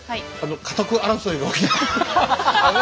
家督争いが起きないように。